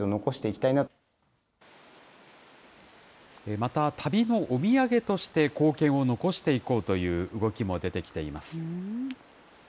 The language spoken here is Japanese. また旅のお土産として硬券を残していこうという動きも出てきています。